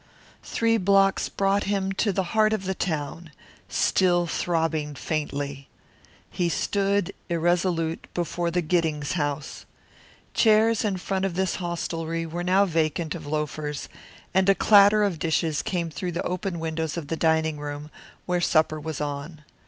Three blocks brought him to the heart of the town, still throbbing faintly. He stood, irresolute, before the Giddings House. Chairs in front of this hostelry were now vacant of loafers, and a clatter of dishes came through the open windows of the dining room, where supper was on.